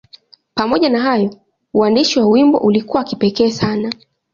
Pamoja na hayo, uandishi wa wimbo ulikuwa wa kipekee sana.